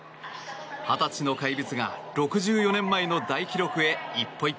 ２０歳の怪物が６４年前の大記録へ一歩